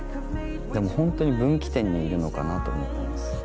でもホントに分岐点にいるのかなと思ってます。